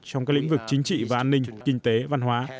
trong các lĩnh vực chính trị và an ninh kinh tế văn hóa